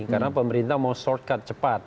karena pemerintah mau shortcut cepat